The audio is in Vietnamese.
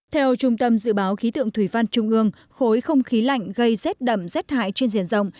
theo trung tâm dự báo khí tượng thủy văn trung ương khối không khí lạnh gây rét đậm rét hại trên diện rộng